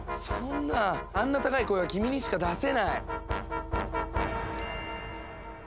そんなあんな高い声は君にしか出せない。